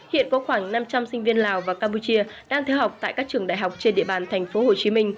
hiện có khoảng năm trăm linh sinh viên lào và campuchia đang theo học tại các trường đại học trên địa bàn tp hcm